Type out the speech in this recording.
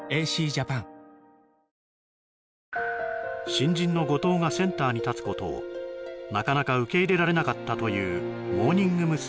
新人の後藤がセンターに立つことをなかなか受け入れられなかったというモーニング娘。